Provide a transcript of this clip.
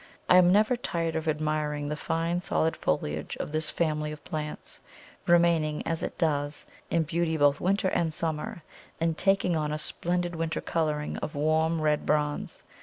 I am never tired of admiring the fine solid foliage of this family of plants, remaining, as it does, in beauty both winter and summer, and taking on a splendid winter colouring of warm red bronze.